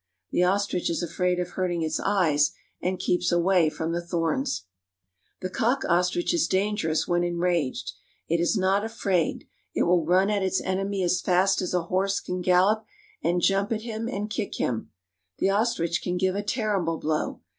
The ostrich is afraid of hurting its eyes, and keeps away from the thorns. 292 AFRICA The cock ostrich is dangerous when enraged. It is not afraid ; it will run at its enemy as fast as a horse can gallop, and jump at him and kick him. The ostrich can give a terrible blow.